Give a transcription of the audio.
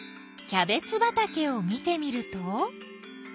キャベツばたけを見てみると。